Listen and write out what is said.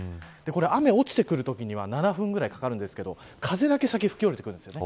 雨が落ちてくるときには７分ぐらいかかるんですが風だけ先に吹き下りてくるんです。